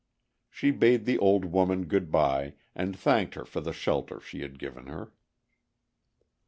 She bade the old woman good by, and thanked her for the shelter she had given her.